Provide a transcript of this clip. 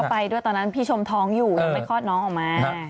ไปด้วยตอนนั้นพี่ชมท้องอยู่แล้วไม่คลอดน้องออกมา